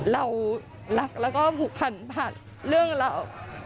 เรารักแล้วก็ผูกพันผ่านเรื่องราว